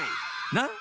なっ？